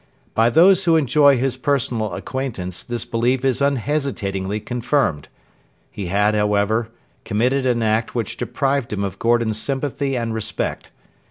By those who enjoy his personal acquaintance this belief is unhesitatingly confirmed. He had, however, committed an act which deprived him of Gordon's sympathy and respect.